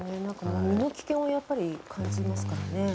身の危険を感じますよね。